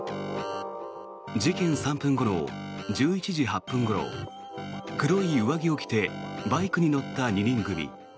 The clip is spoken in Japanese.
事件３分後の１１時８分ごろ黒い上着を着てバイクに乗った２人組。